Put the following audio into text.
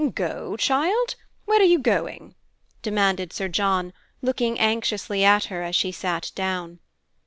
"Go, child! Where are you going?" demanded Sir John, looking anxiously at her as she sat down.